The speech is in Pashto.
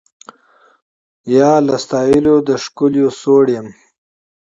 یا له ستایلو د ښکلیو سوړ یم